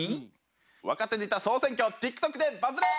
若手ネタ総選挙ＴｉｋＴｏｋでバズれ！